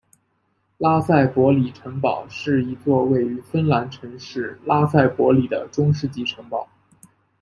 拉塞博里城堡是一座位于芬兰城市拉塞博里的中世纪城堡。